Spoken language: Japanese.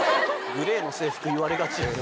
グレーの制服言われがち。